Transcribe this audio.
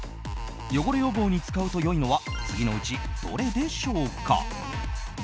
汚れ予防に使うと良いのは次のうちどれでしょうか。